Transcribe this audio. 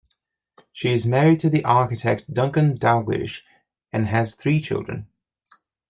She is married to the architect Duncan Dalgleish, and has three children.